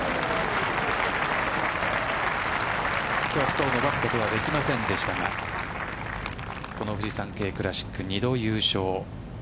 今日はスコアを伸ばすことはできませんでしたがフジサンケイクラシック２度優勝。